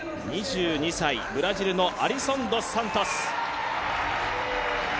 ２２歳、ブラジルのアリソン・ドス・サントス。